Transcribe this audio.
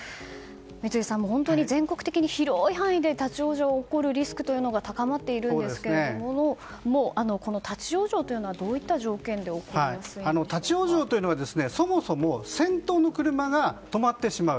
三井さん、全国的に広い範囲で立ち往生の起こるリスクが高まっているんですけどもこの立ち往生というのはどういった条件で立ち往生というのはそもそも先頭の車が止まってしまう。